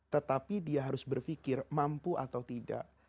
tetapi dia harus berpikir mampu atau tidak